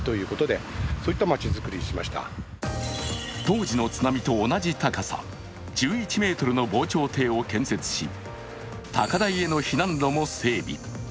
当時の津波と同じ高さ、１１ｍの防潮堤を建設し高台への避難路も整備。